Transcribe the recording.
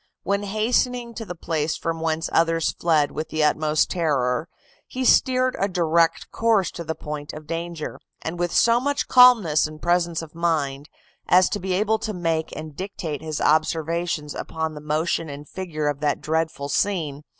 When hastening to the place from whence others fled with the utmost terror, he steered a direct course to the point of danger, and with so much calmness and presence of mind, as to be able to make and dictate his observations upon the motion and figure of that dreadful scene.